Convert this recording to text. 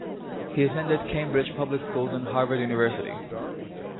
He attended Cambridge public schools and Harvard University.